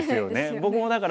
僕もだから。